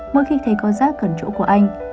mỗi khi thấy có rác gần chỗ của anh